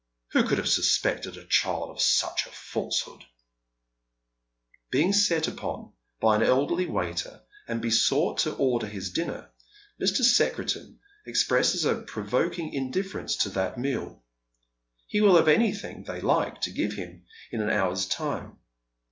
Who could have suspected a child of such a falsehood ?" Being set upon by an elderly waiter, and besought to order his dinner, Mr. Secretan expresses a provoking indifference to that meal. He will have anything they like to give him in an hour's time.